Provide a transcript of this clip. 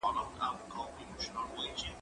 زه سبزېجات جمع کړي دي!!